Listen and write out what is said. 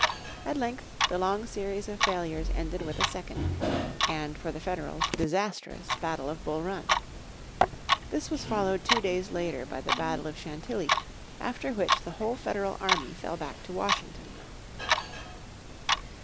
At length the long series of failures ended with a second, and for the Federals, disastrous, battle of Bull Run. This was followed two days later by the battle of Chantilly, after which the whole Federal army fell back to Washington.